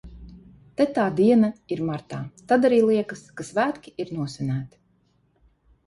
Te tā diena ir martā, tad arī liekas, ka svētki ir nosvinēti.